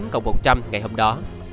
cộng một trăm linh ngày hôm đó